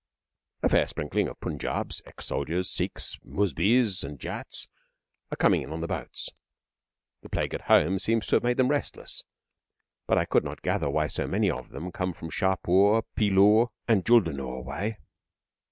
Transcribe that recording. A fair sprinkling of Punjabis ex soldiers, Sikhs, Muzbis, and Jats are coming in on the boats. The plague at home seems to have made them restless, but I could not gather why so many of them come from Shahpur, Phillour, and Jullundur way.